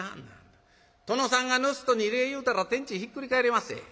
殿さんがぬすっとに礼言うたら天地ひっくり返りまっせ。